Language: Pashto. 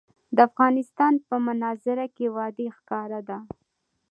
د افغانستان په منظره کې وادي ښکاره ده.